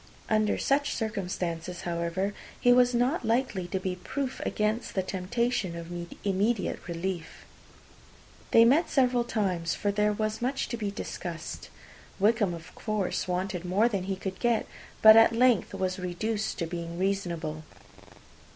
Under such circumstances, however, he was not likely to be proof against the temptation of immediate relief. They met several times, for there was much to be discussed. Wickham, of course, wanted more than he could get; but at length was reduced to be reasonable.